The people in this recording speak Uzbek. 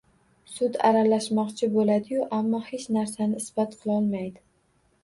Sud aralashmoqchi bo`ladi-yu, ammo hech narsani isbot qilolmaydi